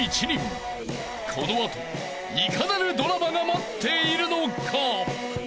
［この後いかなるドラマが待っているのか］